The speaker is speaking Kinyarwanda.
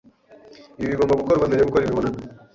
Ibi bigomba gukorwa mbere yo gukora imibonano